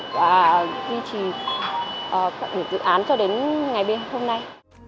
và duy trì các dự án cho đến ngày hôm nay